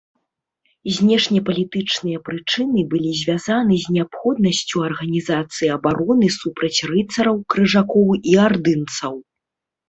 Знешнепалітычныя прычыны былі звязаны з неабходнасцю арганізацыі абароны супраць рыцараў-крыжакоў і ардынцаў.